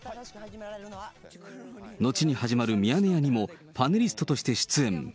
後に始まるミヤネ屋にも、パネリストとして出演。